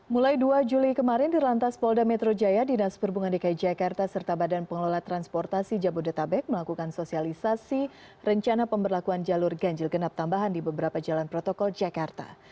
mulai dua juli kemarin di lantas polda metro jaya dinas perhubungan dki jakarta serta badan pengelola transportasi jabodetabek melakukan sosialisasi rencana pemberlakuan jalur ganjil genap tambahan di beberapa jalan protokol jakarta